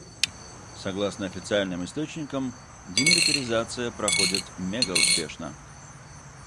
Согласно официальным источникам демилитаризация проходит мегауспешно.